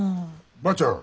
ばあちゃん